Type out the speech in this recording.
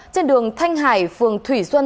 trên đường thanh hải phường thủy xuân